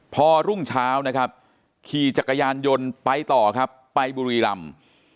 พอรุ่งเช้านะครับขี่จักรยานยนต์ไปต่อครับไปบุรีรำ